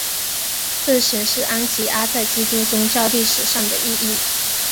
这显示安提阿在基督宗教历史上的意义。